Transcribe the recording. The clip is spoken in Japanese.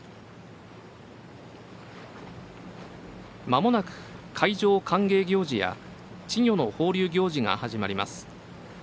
まもなく、海上歓迎行事や稚魚の放流行事が始まります。